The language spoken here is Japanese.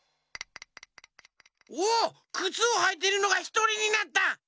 おっくつをはいてるのがひとりになった！